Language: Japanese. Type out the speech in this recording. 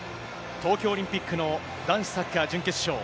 東京オリンピックの男子サッカー準決勝。